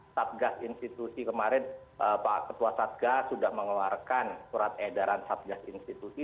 satgas institusi kemarin pak ketua satgas sudah mengeluarkan surat edaran satgas institusi